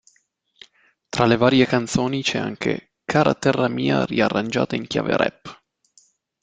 Tra le varie canzoni c'è anche Cara terra mia riarrangiata in chiave Rap.